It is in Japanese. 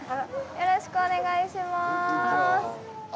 よろしくお願いします。